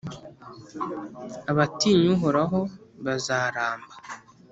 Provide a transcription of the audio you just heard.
Abatinya Uhoraho bazaramba,